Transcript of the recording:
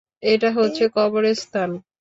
এটা হচ্ছে কবরস্থান।